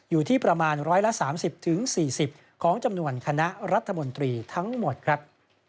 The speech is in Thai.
อยู่ที่ประมาณ๑๓๐๔๐ของจำนวนคณะรัฐมนตรีทั้งหมดครับ